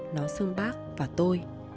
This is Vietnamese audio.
nó xưng bác và tôi